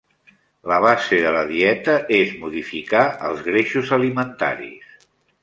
La base de la dieta és modificar els greixos alimentaris.